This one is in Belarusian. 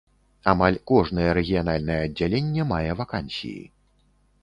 Амаль кожнае рэгіянальнае аддзяленне мае вакансіі.